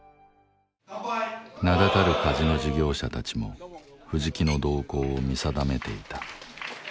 名だたるカジノ事業者たちも藤木の動向を見定めていた